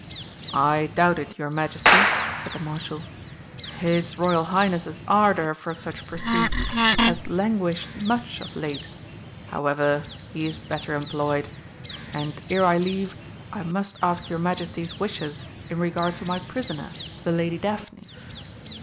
"I doubt it, your Majesty," said the Marshal. "His Royal Highness's ardour for such pursuits has languished much of late. However, he is better employed. And, ere I leave, I must ask your Majesty's wishes in regard to my prisoner, the Lady Daphne."